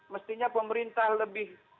mestinya pemerintah lebih